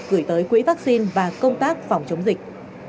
gửi tới quỹ vaccine và công tác phòng chống dịch